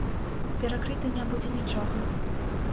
Перакрыта не будзе нічога.